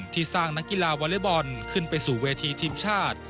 ที่สร้างนักกีฬาวอเล็กบอลขึ้นไปสู่เวทีทีมชาติ